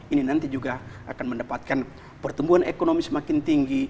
ini nanti juga akan mendapatkan pertumbuhan ekonomi semakin tinggi